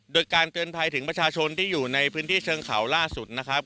โดยการเตือนภัยถึงประชาชนที่อยู่ในพื้นที่เชิงเขาล่าสุดนะครับ